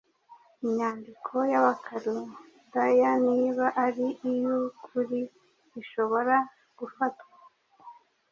inyandiko yAbakaludayaniba ari iyukuriishobora gufatwa